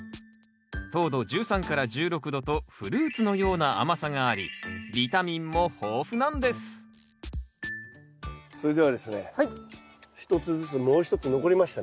糖度１３１６度とフルーツのような甘さがありビタミンも豊富なんですそれではですね一つずつもう一つ残りましたね。